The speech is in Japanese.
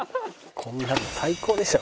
こんなの最高でしょ。